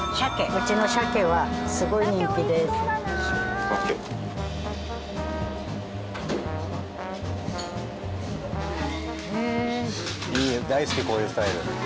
大好きこういうスタイル。